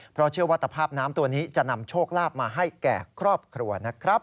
เพราะเชื่อว่าตภาพน้ำตัวนี้จะนำโชคลาภมาให้แก่ครอบครัวนะครับ